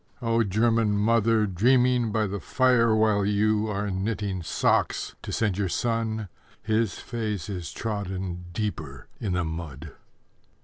O German mother dreaming by the fire, While you, are knitting socks to send your son _His face is trodden deeper in the mud.